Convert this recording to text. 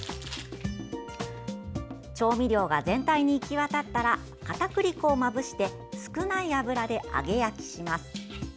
調味料が全体に行き渡ったら片栗粉をまぶして少ない油で揚げ焼きします。